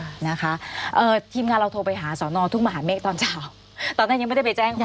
วันนี้ทีมงานเราโทรไปสอนอทุกหมาฮะเมฆตอนเจ้าตอนนั้นยังไม่ได้ไปแจ้งความ